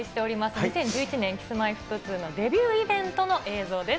２０１１年、Ｋｉｓ−Ｍｙ−Ｆｔ２のデビューイベントの映像です。